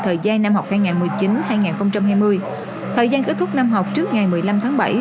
thời gian năm học hai nghìn một mươi chín hai nghìn hai mươi thời gian kết thúc năm học trước ngày một mươi năm tháng bảy